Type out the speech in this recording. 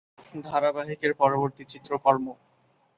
ধারাবাহিকের পরবর্তী চিত্রকর্ম।